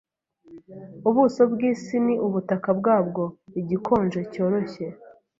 Ubuso bw'isi ni ubutaka bwabwo igikonje cyoroshye